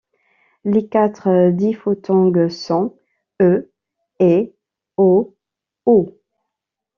Les quatre diphtongues sont e ai o au.